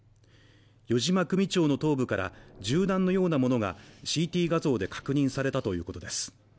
余嶋組長の頭部から銃弾のようなものがＣＴ画像で確認されたということです。